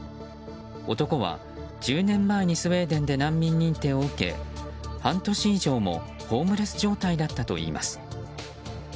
男は１０年前にスウェーデンで難民認定を受け半年以上もホームレス状態だったといいます。